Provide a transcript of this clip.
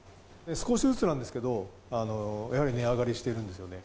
少しずつなんですけれども、やはり値上がりしてるんですよね。